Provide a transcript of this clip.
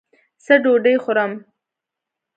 ځه ډوډي خورم